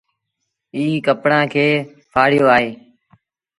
ايٚ ڪپڙآن کي ڦآڙيو آئي۔